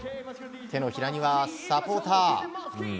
手のひらにはサポーター。